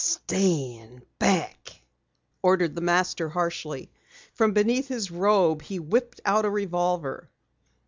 "Stand back!" ordered the Master harshly. From beneath his robe he whipped a revolver.